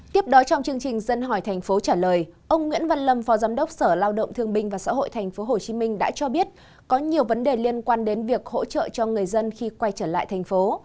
tiếp đó trong chương trình dân hỏi thành phố trả lời ông nguyễn văn lâm phó giám đốc sở lao động thương binh và xã hội tp hcm đã cho biết có nhiều vấn đề liên quan đến việc hỗ trợ cho người dân khi quay trở lại thành phố